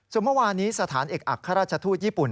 ส่วนเมื่อวานนี้สถานเอกอัครราชทูตญี่ปุ่น